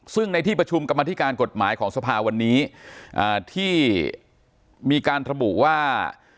ซึ่งในที่ประชุมกรรมธิการกฎหมายของสภาวันนี้ที่มีการระบุว่า